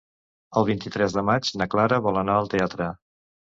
El vint-i-tres de maig na Clara vol anar al teatre.